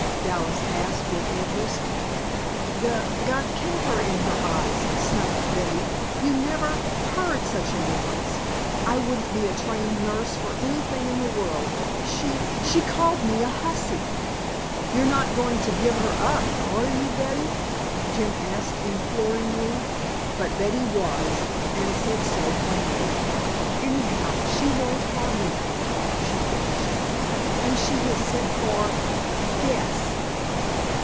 Dallas asked with interest. "G got camphor in her eyes," snuffed Betty. "You never heard such a noise. I wouldn't be a trained nurse for anything in the world. She she called me a hussy!" "You're not going to give her up, are you, Betty?" Jim asked imploringly. But Betty was, and said so plainly. "Anyhow, she won't have me back," she finished, "and she has sent for guess!"